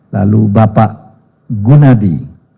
lalu bapak gunadi